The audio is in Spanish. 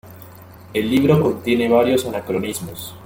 El libro contiene varios anacronismos.